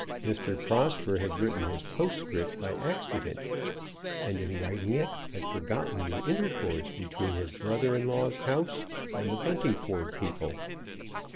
Mr. Prosper had written his postscript by accident, and, in writing it, had forgotten the intercourse between his brother in law's house and the Buntingford people.